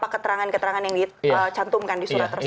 keterangan keterangan yang dicantumkan di surat tersebut